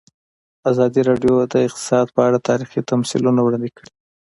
ازادي راډیو د اقتصاد په اړه تاریخي تمثیلونه وړاندې کړي.